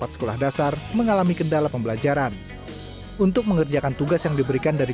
sekolah dasar mengalami kendala pembelajaran untuk mengerjakan tugas yang diberikan dari